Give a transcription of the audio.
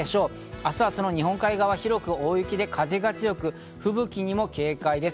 明日は日本海側、広く大雪で風が強く、吹雪にも警戒です。